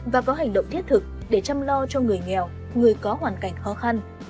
và có hành động thiết thực để chăm lo cho người nghèo người có hoàn cảnh khó khăn